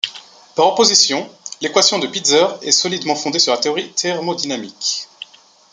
Par opposition, l'équation de Pitzer est solidement fondée sur la théorie thermodynamique.